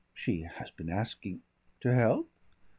She has been asking " "To help?"